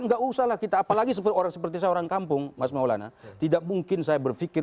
tidak usahlah kita apalagi seperti saya orang kampung mas maulana tidak mungkin saya berpikir